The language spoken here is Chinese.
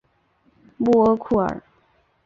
穆阿库尔。